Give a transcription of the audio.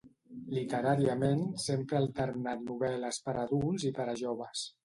Literàriament sempre ha alternat novel·les per a adults i per a joves.